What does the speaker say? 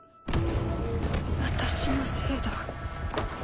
私のせいだ。